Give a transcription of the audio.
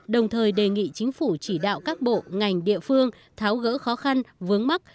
đồng thời đề nghị chính phủ chỉ đạo các bộ ngành địa phương tháo gỡ khó khăn vướng mắt